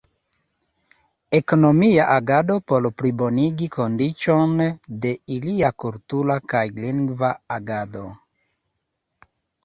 Ekonomia agado por plibonigi kondiĉon de ilia kultura kaj lingva agado.